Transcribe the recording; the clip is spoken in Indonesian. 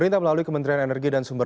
tim liputan cnn indonesia